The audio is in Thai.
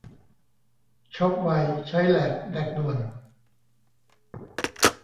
ช็อปไว ใช้แหลก แดกด่วน